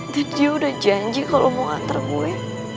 dan dia udah janji kalo mau antar gue